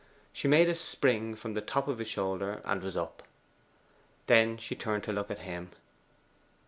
She made a spring from the top of his shoulder, and was up. Then she turned to look at him.